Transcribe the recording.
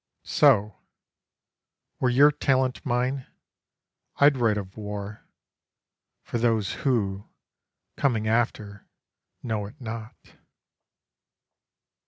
So were your talent mine I'd write of war For those who, coming after, know it not.